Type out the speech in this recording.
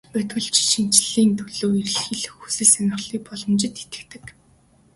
Бодгальчид шинэчлэлийн төлөө эрэлхийлэх хүсэл сонирхлын боломжид итгэдэг.